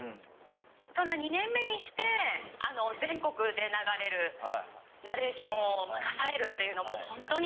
そんな２年目にして全国で流れるナレーションを任されるっていうのも本当に。